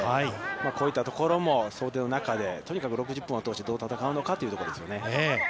こういったところも想定の中で、とにかく６０分を通してどう戦うのかというところですよね。